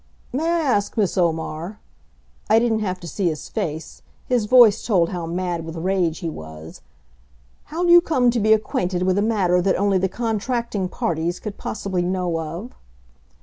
"May I ask, Miss Omar" I didn't have to see his face; his voice told how mad with rage he was "how you come to be acquainted with a matter that only the contracting parties could possibly know of?"